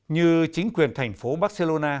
như chính quyền thành phố barcelona